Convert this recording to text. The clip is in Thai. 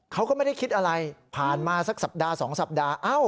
เขาก็ไม่ได้คิดอะไรผ่านมาสักสัปดาห์๒สัปดาห์